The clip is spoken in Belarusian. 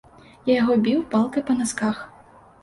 Я яго біў палкай па насках.